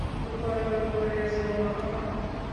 u rwanda rwohereza mu mahanga